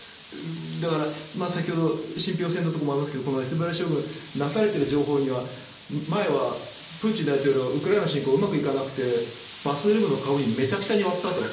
だから、先ほど信ぴょう性のところもありますがＳＶＲ将軍が出されている情報では前はプーチン大統領ウクライナ侵攻がうまくいかなくてバスルームの鏡をめちゃくちゃに割ったと。